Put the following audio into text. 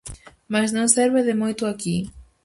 Mais non serve de moito aquí.